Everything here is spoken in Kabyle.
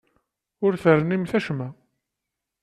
Ur ternimt acemma.